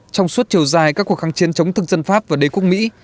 trong suốt chiều dài các cuộc kháng chiến chống thực dân pháp và đế quốc mỹ